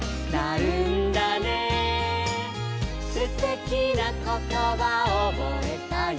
「すてきなことばおぼえたよ」